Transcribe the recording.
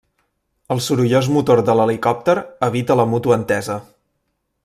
El sorollós motor de l'helicòpter evita la mútua entesa.